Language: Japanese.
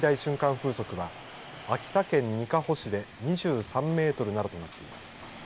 風速は秋田県にかほ市で２３メートルなどとなっています。